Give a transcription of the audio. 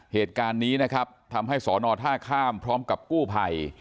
เหตุการณ์นี้นะครับทำให้สอนอท่าข้ามพร้อมกับกู้ภัย